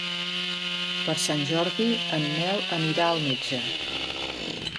Per Sant Jordi en Nel anirà al metge.